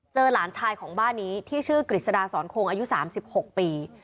หลานชายของบ้านนี้ที่ชื่อกฤษฎาสอนคงอายุ๓๖ปี